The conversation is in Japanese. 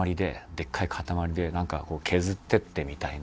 でっかい塊でなんか削っていってみたいな。